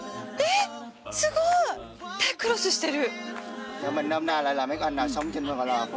すごい！手、クロスしてる。